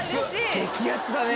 激アツだね。